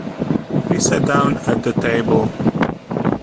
He sat down at the table.